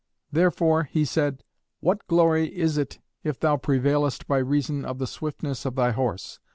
Therefore he said, "What glory is it if thou prevailest by reason of the swiftness of thy horse?